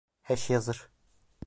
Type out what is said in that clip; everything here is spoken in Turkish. Her şey hazır.